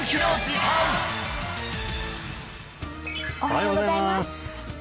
おはようございます